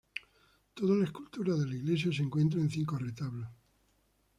Toda la escultura de la Iglesia se encuentra en cinco retablos.